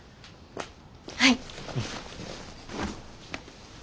はい。